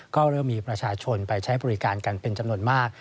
ก็เริ่มมีประชาชนไปใช้บริการกันเป็นจำนวนมาก